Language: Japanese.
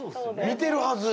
みてるはず。